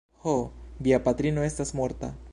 Ho, via patrino estas morta.